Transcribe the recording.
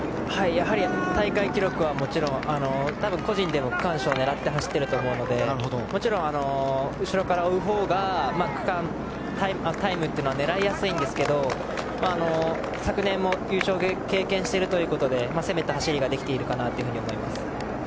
やはり大会記録はもちろん個人でも区間記録を狙って走っていると思うのでもちろん後ろから追うほうがタイムというのは狙いやすいんですけど昨年も優勝を経験しているということで攻めた走りができているかなと思います。